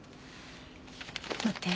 待って。